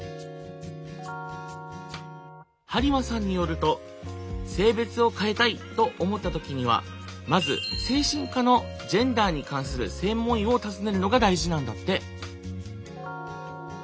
針間さんによると性別を変えたいと思った時にはまず精神科のジェンダーに関する専門医を訪ねるのが大事なんだって。